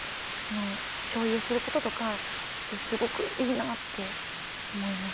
その共有することとかってすごくいいなって思いました。